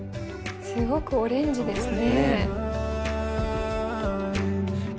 すごくオレンジですね。